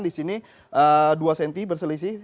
di sini dua cm berselisih